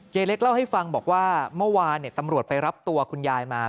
เล็กเล่าให้ฟังบอกว่าเมื่อวานตำรวจไปรับตัวคุณยายมา